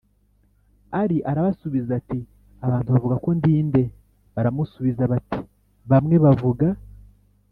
ari arababaza ati abantu bavuga ko ndi nde Baramusubiza bati bamwe bavuga